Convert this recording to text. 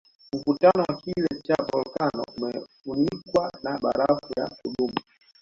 Mkutano wa kilele cha volkano umefunikwa na barafu ya kudumu